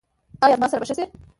ایا زما سر به ښه شي؟